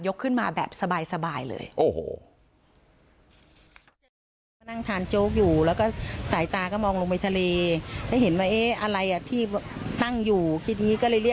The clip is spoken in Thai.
ขึ้นมาแบบสบายเลย